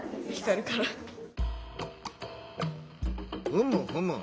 ふむふむ。